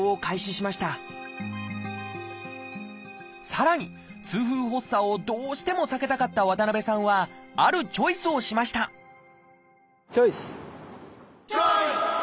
さらに痛風発作をどうしても避けたかった渡さんはあるチョイスをしましたチョイス！